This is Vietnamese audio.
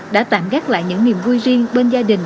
đã tạm gác lại những niềm vui riêng bên gia đình